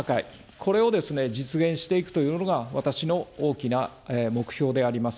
これをですね、実現していくというのが、私の大きな目標であります。